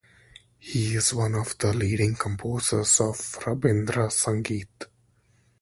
He is one of the leading composers of Rabindra Sangeet.